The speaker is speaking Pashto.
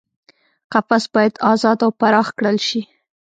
قفس باید ازاد او پراخ کړل شي.